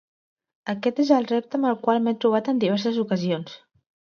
Aquest és el repte amb el qual m’he trobat en diverses ocasions.